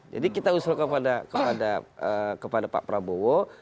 jadi kita usul kepada pak prabowo